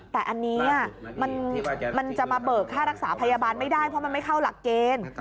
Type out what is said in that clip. แต่อันนี้มันจะมาเบิกค่ารักษาพยาบาลไม่ได้เพราะมันไม่เข้าหลักเกณฑ์